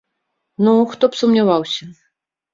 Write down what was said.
Ну, хто б сумняваўся.